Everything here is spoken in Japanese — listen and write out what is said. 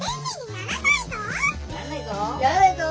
ならないぞ！